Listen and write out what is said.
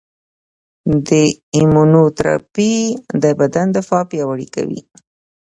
د ایمونوتراپي د بدن دفاع پیاوړې کوي.